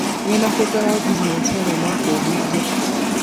Ngenda kuggalawo bizinensi eno omwaka ogujja.